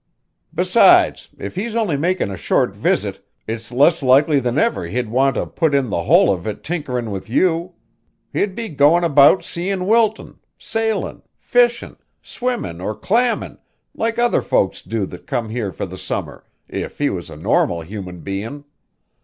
Besides, if he's only makin' a short visit, it's less likely than ever he'd want to put in the whole of it tinkerin' with you. He'd be goin' about seein' Wilton, sailin', fishin', swimmin' or clammin', like other folks do that come here fur the summer, if he was a normal human bein'.